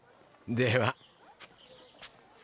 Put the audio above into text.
では。